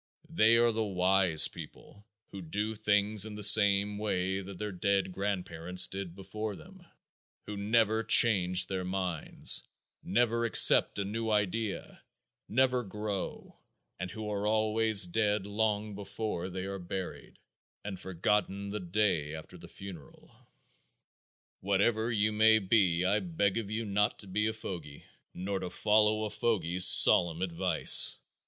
They are the "wise" people who do things in the same way that their dead grandparents did before them, who never change their minds, never accept a new idea, never grow, and who are always dead long before they are buried and forgotten the day after the funeral. Whatever you may be I beg of you not to be a fogy, nor to follow a fogy's solemn advice.